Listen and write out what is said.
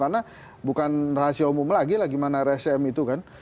karena bukan rahasia umum lagi lah gimana rsjm itu kan